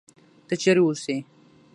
ته چېرې اوسې؟